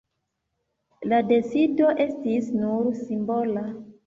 La decido estis nur simbola.